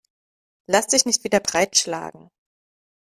Lass dich nicht wieder breitschlagen.